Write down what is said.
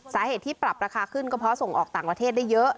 สาเหตุที่ปรับราคาขึ้นก็เพราะส่งออกต่างประเทศได้เยอะ